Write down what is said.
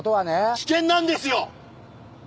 危険なんですよ！